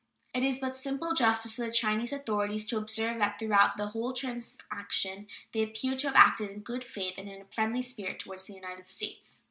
It is but simple justice to the Chinese authorities to observe that throughout the whole transaction they appear to have acted in good faith and in a friendly spirit toward the United States.